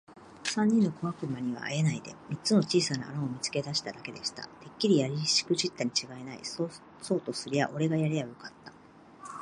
三人の小悪魔にはあえないで、三つの小さな穴を見つけただけでした。「てっきりやりしくじったにちがいない。そうとすりゃおれがやりゃよかった。」